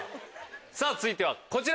さぁ続いてはこちら。